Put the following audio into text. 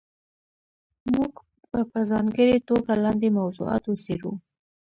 موږ به په ځانګړې توګه لاندې موضوعات وڅېړو.